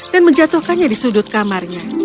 dan menjatuhkannya di sudut kamarnya